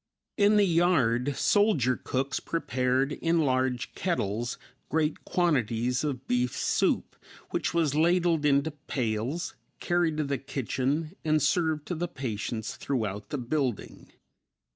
In the yard soldier cooks prepared in large kettles great quantities of beef soup, which was ladled into pails, carried to the kitchen and served to the patients throughout the building.